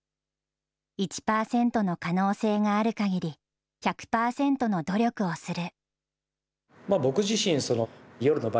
１％の可能性がある限り、１００％の努力をする。